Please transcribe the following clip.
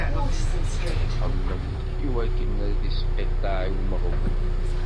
Ixemmem iwakken ad isqiṭṭeɛ i umeɣbun.